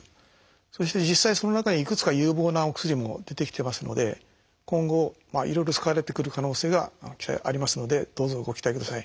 そして実際その中にいくつか有望なお薬も出てきてますので今後いろいろ使われてくる可能性がありますのでどうぞご期待ください。